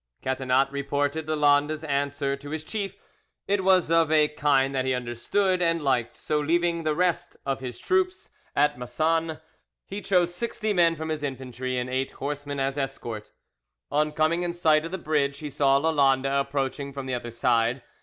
Catinat reported Lalande's answer to his chief it was of a kind that he understood and liked, so leaving the rest of his troops at Massanes, he chose sixty men from his infantry, and eight horsemen as escort. On coming in sight of the bridge, he saw Lalande approaching from the other side.